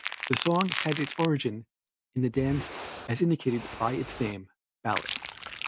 The song had its origin in the dance as indicated by its name "ballad."